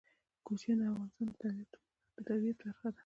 کوچیان د افغانستان د طبیعت برخه ده.